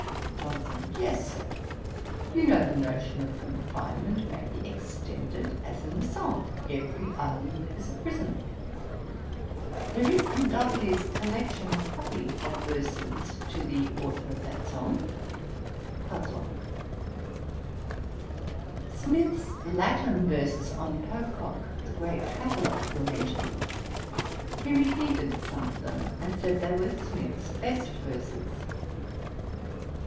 JOHNSON. 'Yes, Sir, you know the notion of confinement may be extended, as in the song, "Every island is a prison." There is, in Dodsley's Collection, a copy of verses to the authour of that song.' Smith's Latin verses on Pococke, the great traveller, were mentioned. He repeated some of them, and said they were Smith's best verses.